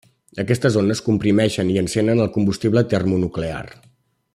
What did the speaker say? Aquestes ones comprimeixen i encenen el combustible termonuclear.